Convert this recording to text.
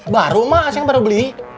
baru mak acing baru beli